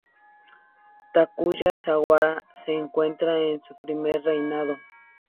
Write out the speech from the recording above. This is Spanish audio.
Takuya Sugawara se encuentra en su primer reinado.